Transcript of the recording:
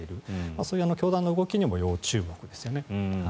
そういう教団の動きにも要注目ですよね。